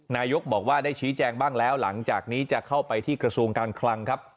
นายกบอกว่าได้ชี้แจงบ้างแล้วหลังจากนี้จะเข้าไปที่กระทรวงการคลังครับ